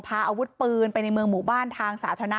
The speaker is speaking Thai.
พาอาวุธปืนไปในเมืองหมู่บ้านทางสาธารณะ